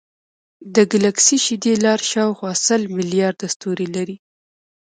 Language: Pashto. د ګلکسي شیدې لار شاوخوا سل ملیارده ستوري لري.